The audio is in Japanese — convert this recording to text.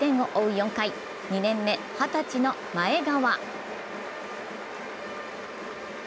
４回、２年目、二十歳の前川。